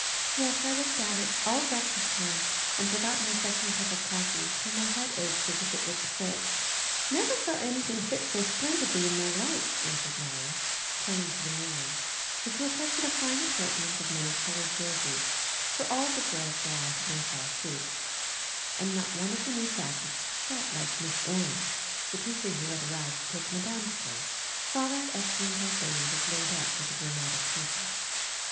"Yes, I looked at it all breakfast time, and forgot my second cup of coffee, so my head aches as if it would split. Never saw anything fit so splendidly in my life," answered Nelly, turning to the mirror, which reflected a fine assortment of many colored jerseys; for all the girls were out in their fall suits, and not one of the new jackets set like Miss Orne's, the teacher who had arrived to take Madame's place while that excellent old lady was laid up with a rheumatic fever.